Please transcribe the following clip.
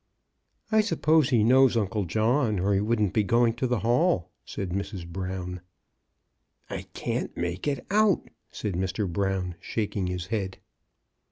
I suppose he knows Uncle John, or he wouldn't be going to the Hall," said Mrs. Brown. " I can't make it out," said Mr. Brown, shak ing his head.